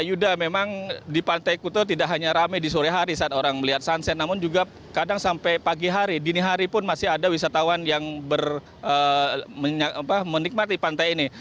yuda memang di pantai kuto tidak hanya rame di sore hari saat orang melihat sunset namun juga kadang sampai pagi hari dini hari pun masih ada wisatawan yang menikmati pantai ini